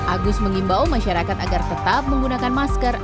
agus mengimbau masyarakat agar tetap menggunakan masker